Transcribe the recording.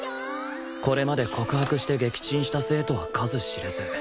これまで告白して撃沈した生徒は数知れず